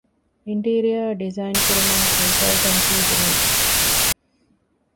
އިންޓީރިއަރ ޑިޒައިން ކުރުމާއި ކޮންސަލްޓަންސީ ދިނުން